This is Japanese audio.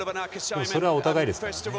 それはお互いですよね。